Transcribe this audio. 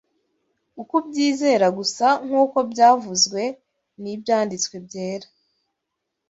ukubyizera gusa nk’uko byavuzwe n’Ibyanditswe Byera